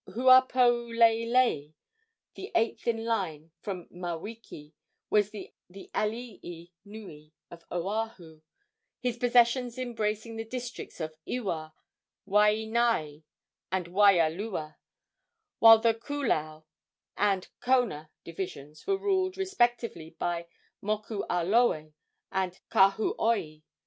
Huapouleilei, the eighth in line from Maweke, was the alii nui of Oahu, his possessions embracing the districts of Ewa, Waianae and Waialua, while the Koolau and Kona divisions were ruled, respectively, by Moku a Loe and Kahuoi.